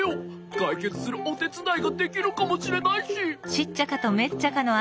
かいけつするおてつだいができるかもしれないし。